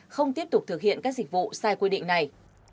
không tiếp tục thực hiện các dịch vụ sai quy định này